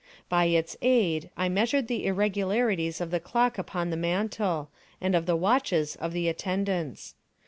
By its aid I measured the irregularities of the clock upon the mantel, and of the watches of the attendants.